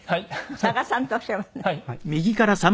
佐賀さんとおっしゃいました？